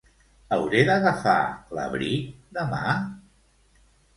Hauré d'agafar l'abric demà?